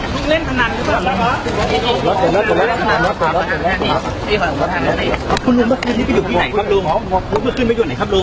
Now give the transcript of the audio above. โปรดติดตามตอนต่อไป